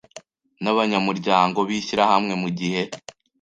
n abanyamuryango b ishyirahamwe mu gihe